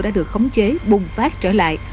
đã được khống chế bùng phát trở lại